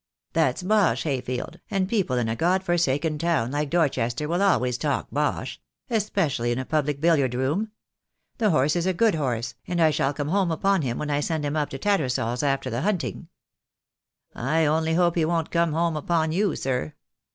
"That's bosh, Hayfield, and people in a God forsaken town like Dorchester will always talk bosh — especially in 324 THE DAY WILL COME. a public billiard room. The horse is a good horse, and I shall come home upon him when I send him up to Tattersall's after the hunting." "I only hope he won't come home upon you, sir.